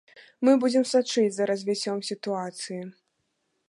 Мы будзем сачыць за развіццём сітуацыі.